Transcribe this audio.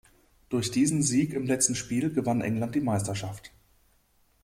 Durch diesen Sieg im letzten Spiel gewann England die Meisterschaft.